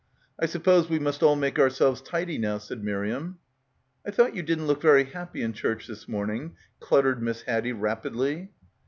"I suppose we must all make ourselves tidy now," said Miriam. "I thought you didn't look very happy in church this morning," cluttered Miss Haddie rapidly.